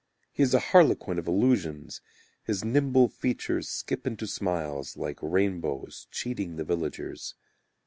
He is a harlequin of illusions, His nimble features Skip into smiles, like rainbows, Cheating the villagers.